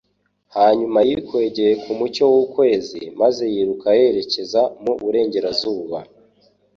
Hanyuma yikwegeye ku mucyo w'ukwezi, maze yiruka yerekeza mu Burengerazuba.